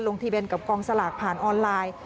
ทะเบียนกับกองสลากผ่านออนไลน์